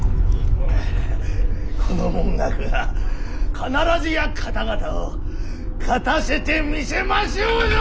この文覚が必ずや方々を勝たせてみせましょうぞ！